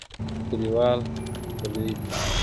کلیوال غلي دي .